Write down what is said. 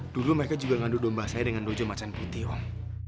dulu mereka juga ngadu domba saya dengan dojo macan putih om